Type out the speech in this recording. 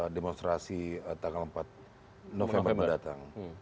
demonstrasi tanggal empat november mendatang